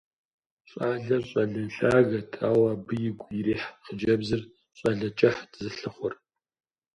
Щӏалэр щӏалэ лъагэт, ауэ абы игу ирихь хъыджэбзыр щӏалэ кӏыхьт зылъыхъур.